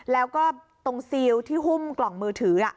แล้วก็ตรงซีลที่หุ้มกล่องมือถือ